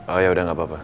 oh yaudah gak apa apa